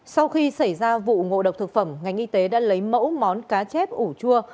sau khi xảy ra vụ ngộ độc thực phẩm ngành y tế đã lấy mẫu món cá chép ủ chua